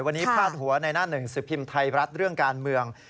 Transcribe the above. วันนี้พาดหัวในหน้าหนึ่งสิบพิมพ์ไทยรัฐเรื่องการเมือง